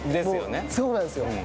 そうなんですよ。